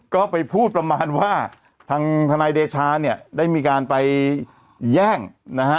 ก็ไปพูดประมาณว่าทางทนายเดชาเนี่ยได้มีการไปแย่งนะฮะ